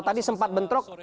tadi sempat bentrok